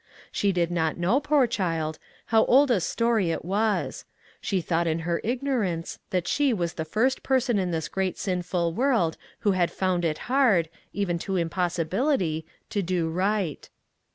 She did not know, poor child, how old a story 271 MAG AND MARGARET it was; she thought in her ignorance that she was the first person in this great sinful world who had found it hard, even to impossibility, to do right.